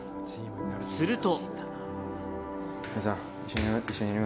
すると。